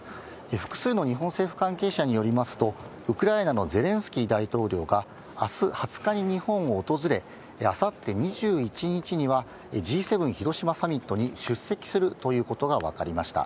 複数の日本政府関係者によりますと、ウクライナのゼレンスキー大統領が、あす２０日に日本を訪れ、あさって２１日には、Ｇ７広島サミットに出席するということが分かりました。